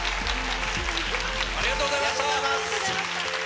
ありがとうございます。